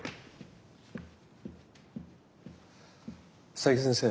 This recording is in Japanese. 佐伯先生